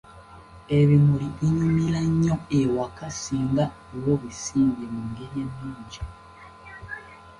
Ebimuli binyumira nnyo awaka singa oba nga obisimbye mu ngeri ennungi.